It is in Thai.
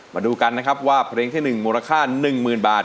มาดูกันนะครับว่าเพลงที่หนึ่งมูลค่าหนึ่งหมื่นบาท